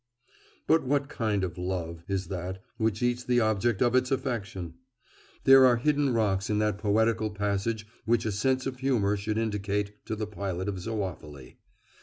But what kind of "love" is that which eats the object of its affection? There are hidden rocks in that poetical passage which a sense of humour should indicate to the pilot of zoophily.